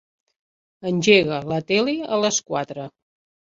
Engega la tele a les quatre.